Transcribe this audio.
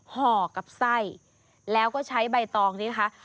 ห่อกับไส้แล้วก็ใช้ใบตองนี้นะคะ